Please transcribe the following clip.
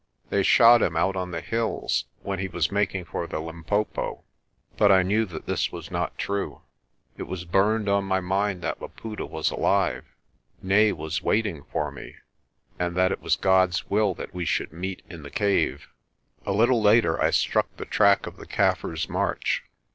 They shot him out on the hills when he was making for the Limpopo." But I knew that this was not true. It was burned on my mind that Laputa was alive, nay, was waiting for me, and that it was God's will that we should meet in the cave. A little later I struck the track of the Kaffirs' march.